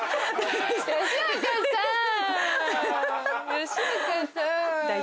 吉岡さん